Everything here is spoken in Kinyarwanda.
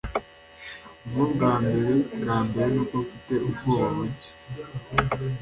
Nibwo bwambere bwambere, nuko mfite ubwoba buke.